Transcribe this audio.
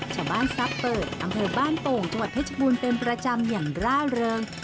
สภาพเปิดอำเภอบ้านโป่งจังหวัดเพชรบูรณ์เป็นประจำอย่างร่าเริง